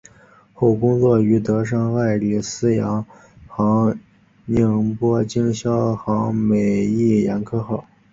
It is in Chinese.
后工作于德商爱礼司洋行宁波经销行美益颜料号。